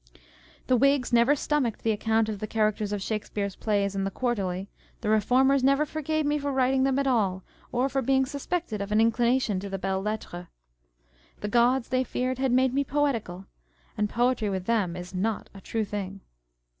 The Whigs never stomached the account of the " Characters of Shakespeare's Plays " in the Quarterly : the Reformers never forgave me for writing them at all, or for being suspected of an inclination to the belles lettres. u The gods," they feared, " had made me poetical ;" and poetry with them is "not a true thing."